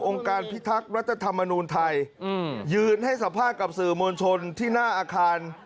การพิทักษ์รัฐธรรมนูลไทยยืนให้สัมภาษณ์กับสื่อมวลชนที่หน้าอาคาร